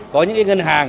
có những ngân hàng